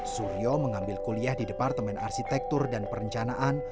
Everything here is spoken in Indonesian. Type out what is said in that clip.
suryo mengambil kuliah di departemen arsitektur dan perencanaan